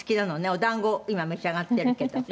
お団子今召し上がってるけど。